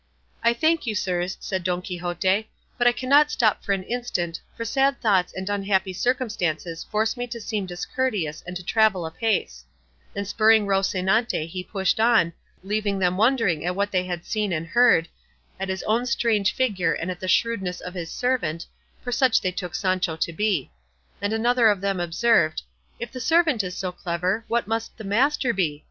'" "I thank you, sirs," said Don Quixote; "but I cannot stop for an instant, for sad thoughts and unhappy circumstances force me to seem discourteous and to travel apace;" and spurring Rocinante he pushed on, leaving them wondering at what they had seen and heard, at his own strange figure and at the shrewdness of his servant, for such they took Sancho to be; and another of them observed, "If the servant is so clever, what must the master be?